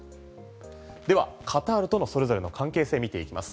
では、カタールとそれぞれの関係性見ていきます。